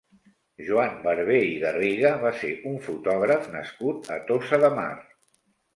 Joan Barber i Garriga va ser un fotògraf nascut a Tossa de Mar.